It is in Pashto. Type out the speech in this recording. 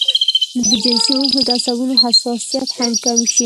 نو د جنسي عضو د عصبونو حساسيت هم کم شي